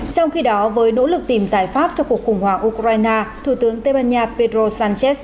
trong khi đó với nỗ lực tìm giải pháp cho cuộc khủng hoảng ukraine thủ tướng tây ban nha pedro sánchez